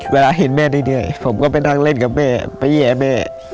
เวลาเห็นแม่เรื่อยผมก็ไปนั่งเล่นกับแม่ไปแย่แม่